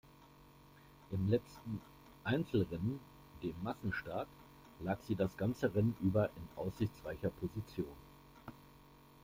Im letzten Einzelrennen, dem Massenstart, lag sie das ganze Rennen über in aussichtsreicher Position.